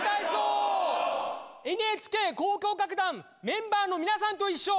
ＮＨＫ交響楽団メンバーのみなさんといっしょ！